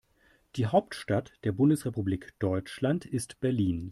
Die Hauptstadt der Bundesrepublik Deutschland ist Berlin